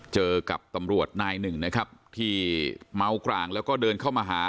เจอกับตำรวจนายหนึ่งนะครับที่เมากร่างแล้วก็เดินเข้ามาหา